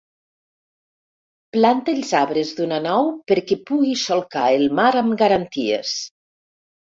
Planta els arbres d'una nau perquè pugui solcar el mar amb garanties.